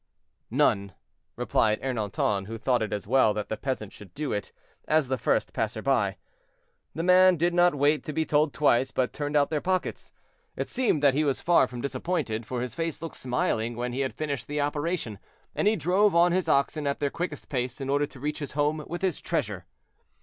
"None," replied Ernanton, who thought it as well that the peasant should do it, as the first passer by. The man did not wait to be told twice, but turned out their pockets. It seemed that he was far from disappointed, for his face looked smiling when he had finished the operation, and he drove on his oxen at their quickest pace, in order to reach his home with his treasure.